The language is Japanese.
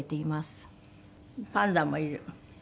パンダもいる。